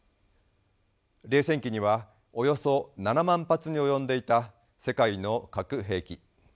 冷戦期にはおよそ７万発に及んでいた世界の核兵器。